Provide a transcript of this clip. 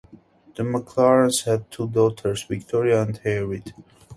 The McLarens had two daughters, Victoria and Harriet.